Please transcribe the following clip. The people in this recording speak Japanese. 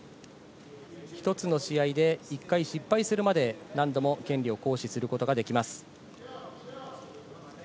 一つの試合で１回失敗するまで何度も権利を行使することができます。